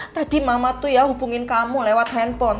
tadi mama tuh ya hubungin kamu lewat handphone